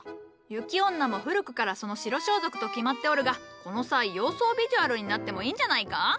雪女も古くからその白装束と決まっておるがこの際洋装ビジュアルになってもいいんじゃないか？